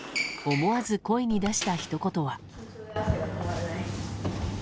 思わず声に出したひと言は。